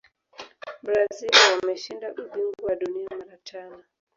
brazil wameshinda ubingwa wa dunia mara tano